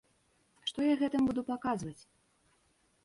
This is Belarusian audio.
Што я гэтым буду паказваць?